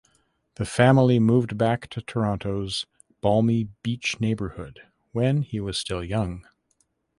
The family moved back to Toronto’s Balmy Beach neighbourhood when he was still young.